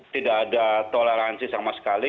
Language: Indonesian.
tidak ada toleransi sama sekali